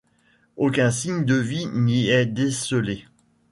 Aucun signe de vie n'y est décelé.